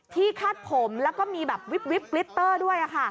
ที่คาดผมแล้วก็มีแบบวิบบริตเตอร์ด้วยค่ะ